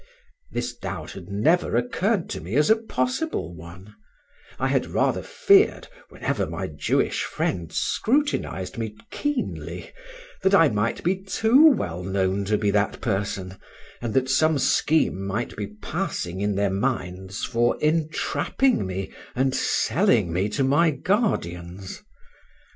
This doubt had never occurred to me as a possible one; I had rather feared, whenever my Jewish friends scrutinised me keenly, that I might be too well known to be that person, and that some scheme might be passing in their minds for entrapping me and selling me to my guardians.